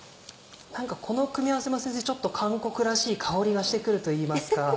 何かこの組み合わせも先生ちょっと韓国らしい香りがして来るといいますか。